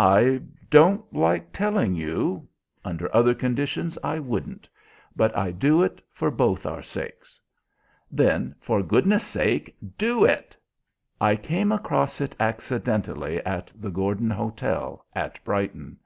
"I don't like telling you under other conditions I wouldn't. But I do it for both our sakes." "Then, for goodness sake, do it!" "I came across it accidentally at the Gordon Hotel at Brighton.